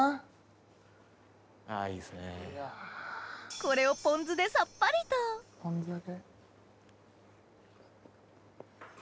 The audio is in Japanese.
これをポン酢でさっぱりとポン酢で。